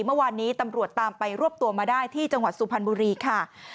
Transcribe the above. เมื่อวานนี้ตำรวจตามไปรวบตัวมาได้ที่จังหวัดสุพรรณบุรีค่ะ